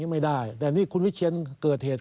ไม่ได้แต่นี่คุณวิเชียนเกิดเหตุ